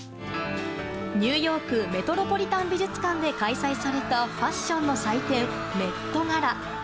ニューヨークメトロポリタン美術館で開催されたファッションの祭典メットガラ。